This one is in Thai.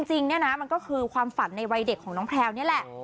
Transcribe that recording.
จริงเนี่ยนะมันก็คือความฝันในวัยเด็กของน้องแพลวนี่แหละ